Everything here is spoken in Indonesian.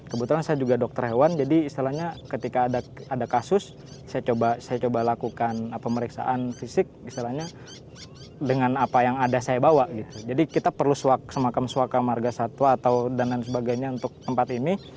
kebetulan saya juga dokter hewan jadi istilahnya ketika ada kasus saya coba saya coba lakukan pemeriksaan fisik istilahnya dengan apa yang ada saya bawa gitu jadi kita perlu semakam suaka marga satwa atau dan lain sebagainya untuk tempat ini